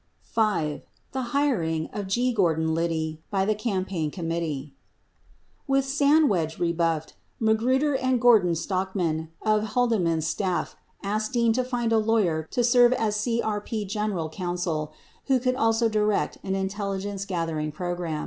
9 5. THE HIEING OE G. GORDON LIDDY BY THE CAMPAIGN COMMITTEE With Sandwedge rebuffed, Magruder and Gordon Strachan of Haldeman's staff asked Dean to find a lawyer to serve as CRP general counsel who could also direct an intelligence gathering program.